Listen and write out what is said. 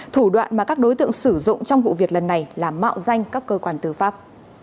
thủ đoạn mà các đối tượng sử dụng trong vụ việc lần này là mạo danh các cơ quan tư pháp